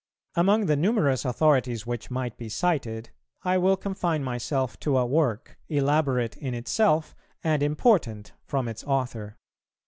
Among the numerous authorities which might be cited, I will confine myself to a work, elaborate in itself, and important from its author.